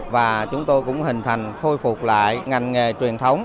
và chúng tôi cũng hình thành khôi phục lại ngành nghề truyền thống